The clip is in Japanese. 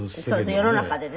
世の中でね。